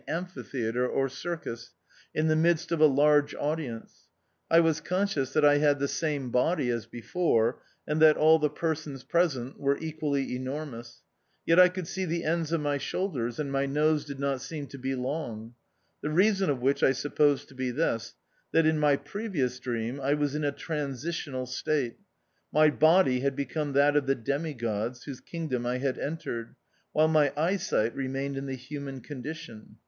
23 amphitheatre or circus, in the midst of a large audience. I was conscious that I had the same body as before, and that all the persons present were equally enormous ; yet I could see the ends of my shoulders, and my nose did not seem to be long ; the rea son of which I suppose to be this — that in my previous dream I was in a transitional state ; my body had become that of the Demigods, whose kingdom I had entered, while my eyesight remained in the human condition.